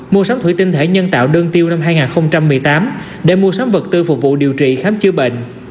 mua sắm thủy tinh thể nhân tạo đơn tiêu năm hai nghìn một mươi tám để mua sắm vật tư phục vụ điều trị khám chữa bệnh